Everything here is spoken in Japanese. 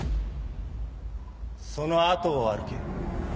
そのあとを歩け。